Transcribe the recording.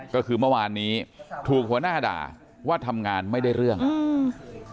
ก็คือเมื่อวานนี้ถูกหัวหน้าด่าว่าทำงานไม่ได้เรื่องอืม